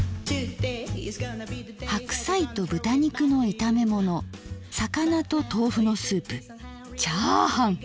「白菜と豚肉のいためもの魚と豆腐のスープチャーハン」！